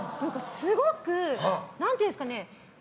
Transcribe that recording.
すごく何て言うんですかね